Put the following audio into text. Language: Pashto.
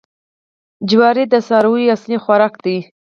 جوار د څارویو اصلي خوراک دی.